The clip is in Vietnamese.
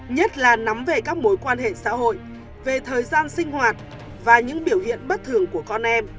nhất là nắm về các mối quan hệ xã hội về thời gian sinh hoạt và những biểu hiện bất thường của con em